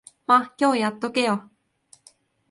ま、今日やっとけよ。